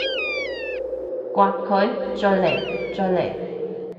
摑佢！再嚟！再嚟！